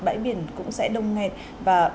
bãi biển cũng sẽ đông nghe và